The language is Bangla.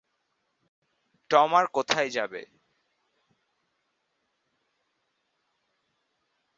টম আর কোথায় যাবে?